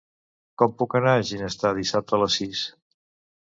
Com puc anar a Ginestar dissabte a les sis?